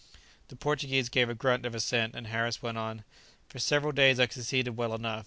The Portuguese gave a grunt of assent, and Harris went on, "For several days I succeeded well enough.